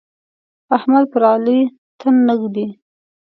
احمد پر علي تن نه ږدي.